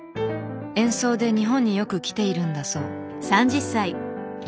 演奏で日本によく来ているんだそう。